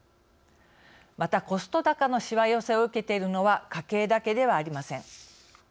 また、コスト高のしわ寄せを受けているのは家計だけではありません。